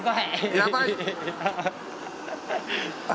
やばい！